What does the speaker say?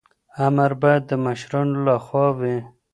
امر باید د مشرانو لخوا وي.